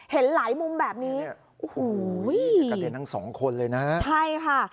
เห็นหลายมุมแบบนี้โอ้โหกระเด็นทั้งสองคนเลยนะฮะใช่ค่ะ